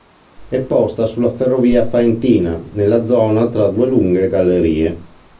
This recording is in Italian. È posta sulla ferrovia Faentina nella zona tra due lunghe gallerie.